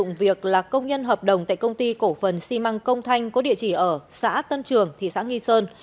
công an thị xã nghi sơn và công nhân hợp đồng tại công ty cổ phần xi măng công thanh có địa chỉ ở xã tân trường thị xã nghi sơn